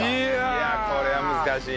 いやあこれは難しいね。